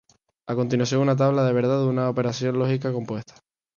A continuación una tabla de verdad de una operación lógica compuesta.